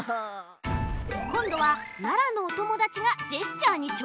こんどは奈良のおともだちがジェスチャーにちょうせん！